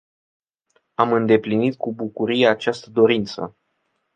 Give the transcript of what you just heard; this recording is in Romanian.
Am îndeplinit cu bucurie această dorință.